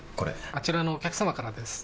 あちらのお客様からです。